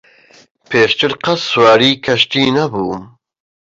پێشتر قەت سواری کەشتی نەبووم.